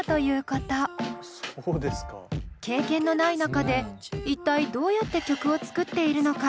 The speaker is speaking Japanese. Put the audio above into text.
経験のない中で一体どうやって曲を作っているのか？